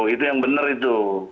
itu yang benar itu